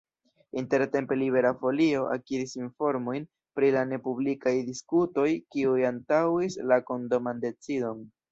Intertempe Libera Folio akiris informojn pri la nepublikaj diskutoj kiuj antaŭis la kondoman decidon.